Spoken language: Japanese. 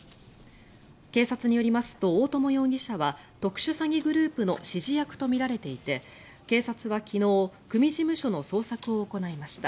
警察によりますと大友容疑者は特殊詐欺グループの指示役とみられていて警察は昨日組事務所の捜索を行いました。